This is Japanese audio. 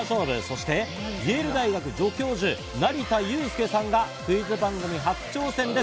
そしてイェール大学助教授・成田悠輔さんがクイズ番組初挑戦です！